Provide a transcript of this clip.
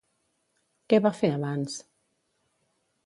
Què va fer abans?